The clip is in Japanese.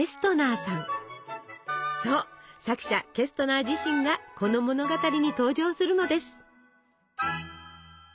そう作者ケストナー自身がこの物語に登場するのです。